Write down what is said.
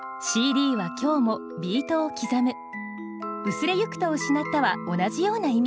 「薄れゆく」と「失った」は同じような意味。